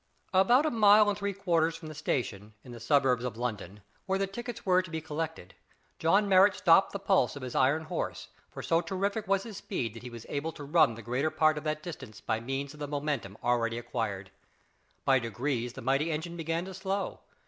About a mile and three quarters from the station, in the suburbs of London, where the tickets were to be collected, John Marrot stopped the pulse of his iron horse, for so terrific was his speed that he was able to run the greater part of that distance by means of the momentum already acquired. By degrees the mighty engine began to "slow."